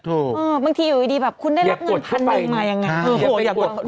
เหมือนที่อยู่ที่ดีแบบคุณได้รับเงินหมอนาฮะพวกไรยังไง